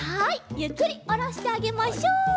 ゆっくりおろしてあげましょう。